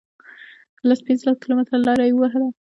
لس پنځلس کیلومتره لار یې ووهله.